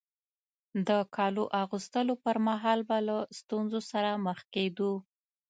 د کالو اغوستلو پر مهال به له ستونزو سره مخ کېدو.